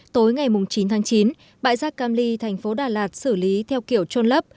tối ngày chín tháng chín bãi rác cam ly thành phố đà lạt xử lý theo kiểu trôn lấp